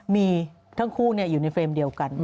มีทั้งคู่อยู่ในเฟรมเดียวกัน